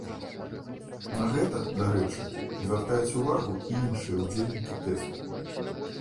На гэта, дарэчы, звяртаюць увагу і іншыя ўдзельнікі тэсту.